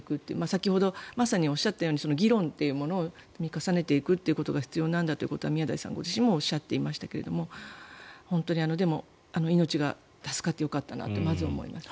先ほどまさにおっしゃったように議論というものを積み重ねていくことが必要なんだということは宮台さん自身もおっしゃっていましたけどでも、命が助かってよかったなとまず思います。